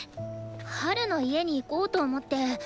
ハルの家に行こうと思って。